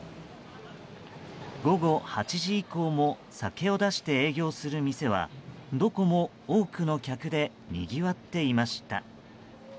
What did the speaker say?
午後８時以降も酒を出して営業する店はどこも多くの客でにぎわっていました。